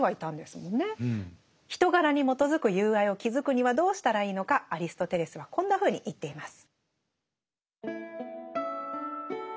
人柄に基づく友愛を築くにはどうしたらいいのかアリストテレスはこんなふうに言っています。